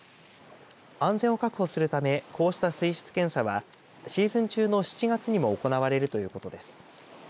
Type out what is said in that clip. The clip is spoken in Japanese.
安全を確保するためこうした水質検査はシーズン中の７月にも行われるということです。